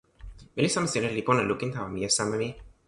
meli sama sina li pona lukin tawa mije sama mi.